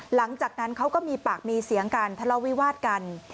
หลังจากนั้นเขาก็มีปากมีเสียงกันทะเลาวิวาสกัน